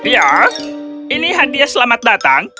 ya ini hadiah selamat datang